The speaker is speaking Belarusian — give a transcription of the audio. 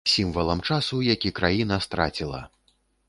Сімвалам часу, які краіна страціла.